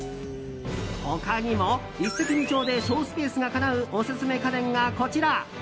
他にも一石二鳥で省スペースがかなうオススメ家電がこちら。